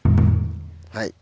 はい。